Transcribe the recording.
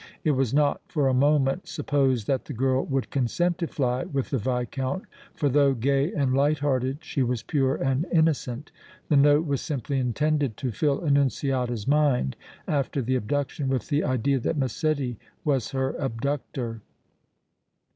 It was not for a moment supposed that the girl would consent to fly with the Viscount, for though gay and light hearted she was pure and innocent; the note was simply intended to fill Annunziata's mind, after the abduction, with the idea that Massetti was her abductor."